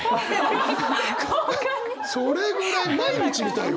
それぐらい毎日見たいわ。